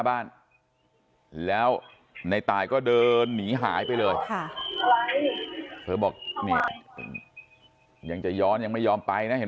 บ้านแล้วในตายก็เดินหนีหายไปเลยค่ะเธอบอกนี่ยังจะย้อนยังไม่ยอมไปนะเห็น